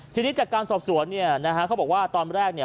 ทีนี้จากการสอบสวนเนี่ยนะฮะเขาบอกว่าตอนแรกเนี่ย